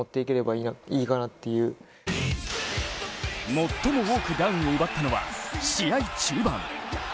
最も多くダウンを奪ったのは試合中盤。